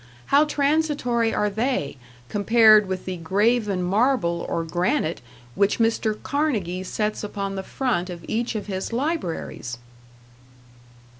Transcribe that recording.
How transitory are they, compared with the graven marble or granite which Mr. Carnegie sets upon the front of each of his libraries!